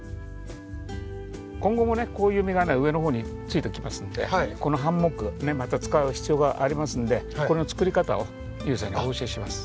今後もねこういう実が上の方についてきますんでこのハンモックまた使う必要がありますんでこの作り方をユージさんにお教えします。